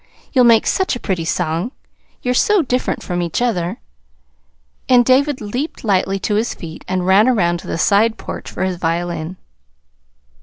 You'll make such a pretty song, you're so different from each other!" And David leaped lightly to his feet and ran around to the side porch for his violin.